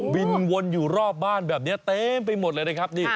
วนอยู่รอบบ้านแบบนี้เต็มไปหมดเลยนะครับ